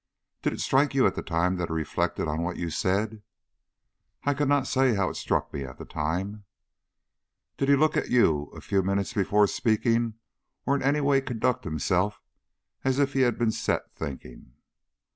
"Did it strike you at the time that he reflected on what you said?" "I cannot say how it struck me at the time." "Did he look at you a few minutes before speaking, or in any way conduct himself as if he had been set thinking?"